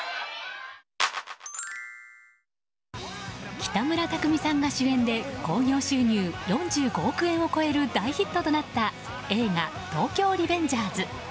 北村匠海さんが主演で興行収入４５億円を超える大ヒットとなった映画「東京リベンジャーズ」。